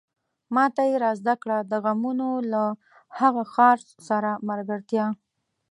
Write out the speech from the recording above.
ماته يې را زده کړه د غمونو له هغه ښار سره ملګرتيا